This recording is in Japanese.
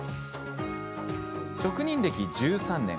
職人歴１３年。